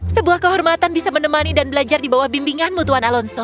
sebuah kehormatan bisa menemani dan belajar di bawah bimbingan mutuan alonso